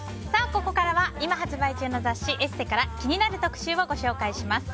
ここからは今発売中の雑誌「ＥＳＳＥ」から気になる特集をご紹介します。